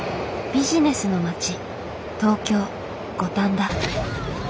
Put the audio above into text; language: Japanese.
ビジネスの街東京・五反田。